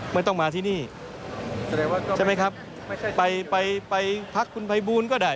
ไม่ต้องมาที่นี่ใช่ไหมครับไปไปไปพักคุณภัยบูรณ์ก็ได้